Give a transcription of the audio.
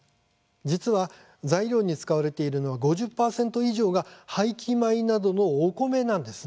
実は材料に使われているのは５０％以上が廃棄米などのお米なんです。